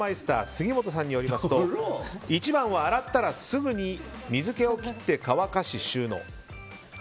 杉本さんによりますと一番は、洗ったらすぐに水けを切って乾かし、収納。